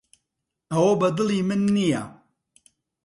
ئەوە بەدڵی من نییە.